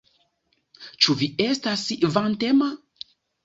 Ĉu vi estas vantema?